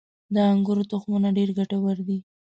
• د انګورو تخمونه ډېر ګټور دي.